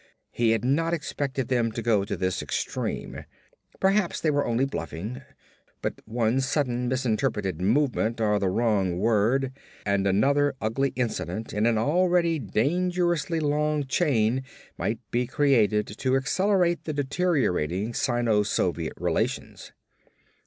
He had not expected them to go to this extreme. Perhaps they were only bluffing but one sudden misinterpreted movement or the wrong word and another ugly incident in an already dangerously long chain might be created to accelerate the deteriorating Sino Soviet relations.